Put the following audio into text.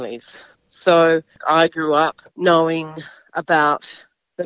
jadi saya tumbuh mengetahui